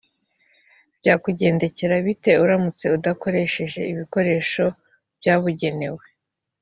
byakugendekera bite uramutse udakoresheje ibikoresho byabugenewe?